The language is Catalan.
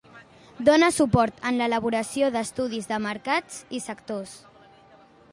Dona suport en l'elaboració d'estudis de mercats i sectors.